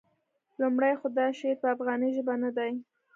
لومړی خو دا شعر په افغاني ژبه نه دی.